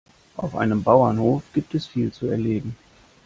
Auf einem Bauernhof gibt es viel zu erleben.